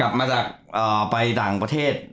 กลับมาจากไปต่างประเทศ